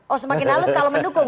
oh semakin halus kalau mendukung